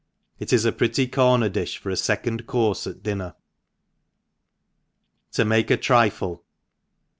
— It is a pretty corner difh for a fecond courfe at dinner* To make Tea Cream.